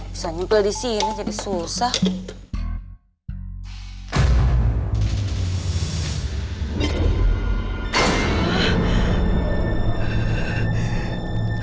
bisa nyumpel disini jadi susah